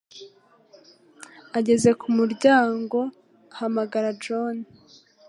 Ageze ku muryango ahamagara, "John!"